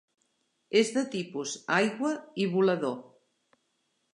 És de tipus aigua i volador.